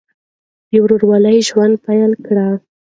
د ورورولۍ ژوند پیل کړئ.